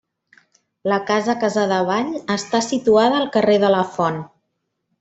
La casa Casadevall està situada al carrer de la Font.